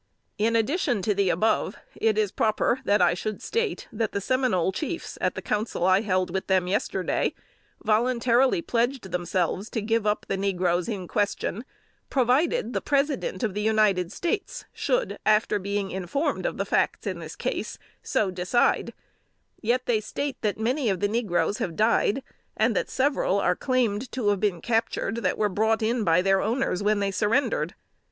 "In addition to the above, it is proper that I should state, that the Seminole chiefs, at the council I held with them yesterday, voluntarily pledged themselves to give up the negroes in question, provided the President of the United States should, after being informed of the facts in the case, so decide; yet they state that many of the negroes have died, and that several are claimed to have been captured that were brought in by their owners when they surrendered."